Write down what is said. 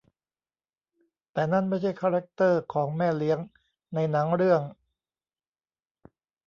แต่นั่นไม่ใช่คาแรคเตอร์ของแม่เลี้ยงในหนังเรื่อง